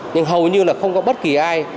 nhưng hầu như là không có bất kỳ ai